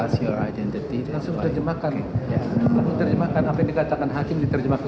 sampai jumpa di sampai jumpa